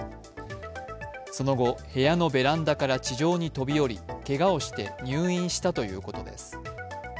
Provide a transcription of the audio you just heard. その後、部屋のベランダから地上に飛び降り、けがをして入院したということです。